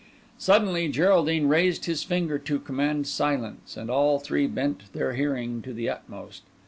Suddenly Geraldine raised his finger to command silence, and all three bent their hearing to the utmost.